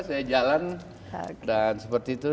saya jalan dan seperti itu